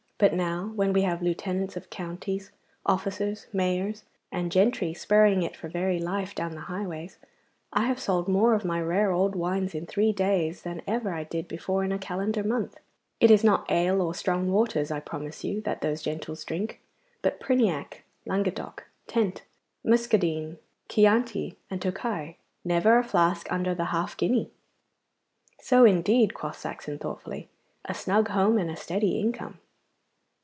But now, when we have lieutenants of counties, officers, mayors, and gentry spurring it for very life down the highways, I have sold more of my rare old wines in three days than ever I did before in a calendar month. It is not ale, or strong waters, I promise you, that those gentles drink, but Priniac, Languedoc, Tent, Muscadine, Chiante, and Tokay never a flask under the half guinea.' 'So indeed!' quoth Saxon thoughtfully. 'A snug home and a steady income.